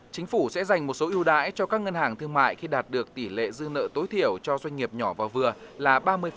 chính phủ sẽ dành một số ưu đãi cho các ngân hàng thương mại khi đạt được tỷ lệ dư nợ tối thiểu cho doanh nghiệp nhỏ và vừa là ba mươi